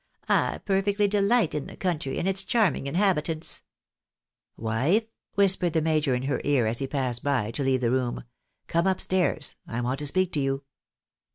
" I perfectly delight in the country, and its charming inhabitants !"" Wife !" whispered the major in her ear, as he passed by, to leave tlie room ;" come up stairs — I want to speak to you."